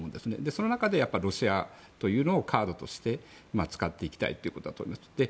その中でロシアというのをカードとして使っていきたいということだと思って。